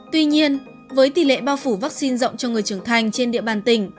tuy nhiên với tỷ lệ bao phủ vaccine rộng cho người trưởng thành trên địa bàn tỉnh